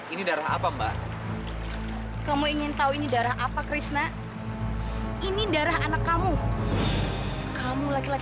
ini darah apa mbak kamu ingin tahu ini darah apa krishna ini darah anak kamu kamu laki laki